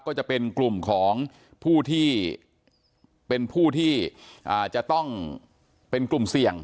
ก็จะเป็นกลุ่มของผู้ที่เป็นผู้ที่จะต้องเป็นกลุ่มเสี่ยง